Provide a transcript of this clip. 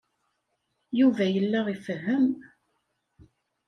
Yuba yella ifehhem.